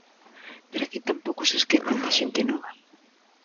Pero aquí tampouco se esquecen da xente nova.